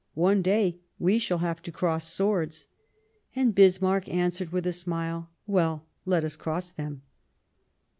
One day we shall have to cross swords.'? And Bismarck answered, with a smile :" Well, let us cross them."